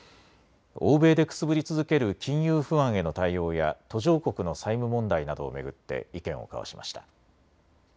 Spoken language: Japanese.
欧米でくすぶり続ける金融不安への対応や途上国の債務問題などを巡って意見を交わしました。